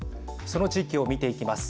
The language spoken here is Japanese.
その地域を見ていきます。